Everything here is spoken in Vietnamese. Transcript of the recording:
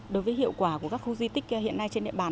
đối với hiệu quả của các khu di tích hiện nay trên địa bàn